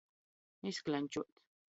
Izkļančuot.